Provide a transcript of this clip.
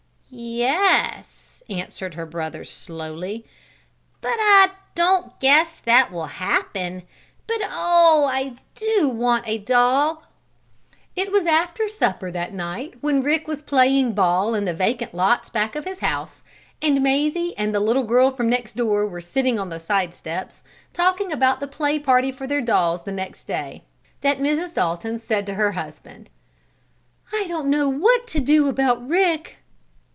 "Yes," answered her brother, slowly, "but I don't guess that will happen. But oh! I do want a dog!" It was after supper that night, when Rick was playing ball in the vacant lots back of his house, and Mazie and the little girl from next door were sitting on the side steps, talking about the play party for their dolls next day, that Mrs. Dalton said to her husband: "I don't know what to do about Rick!"